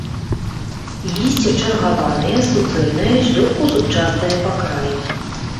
Лісце чаргаванае, суцэльнае, злёгку зубчастае па краі.